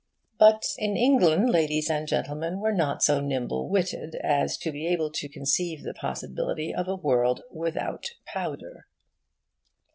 But in England ladies and gentlemen were not so nimble witted as to be able to conceive the possibility of a world without powder.